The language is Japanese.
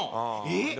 えっ？